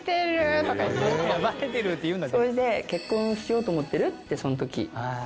それで「結婚しようと思ってる」ってその時。